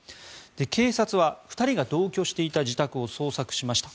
警察は２人が同居していた自宅を捜索しました。